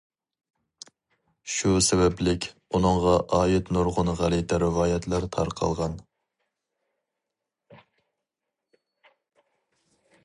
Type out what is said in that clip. شۇ سەۋەبلىك ئۇنىڭغا ئائىت نۇرغۇن غەلىتە رىۋايەتلەر تارقالغان.